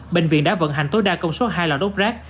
bệnh viện đã vận hành tối đa công suất hai lò đốt rác